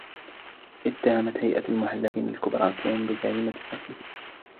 إتهمت هيئة المحلفين الكبرى توم بجريمة قتل.